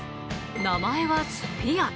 名前はスフィア。